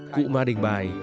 cụ ma đình bài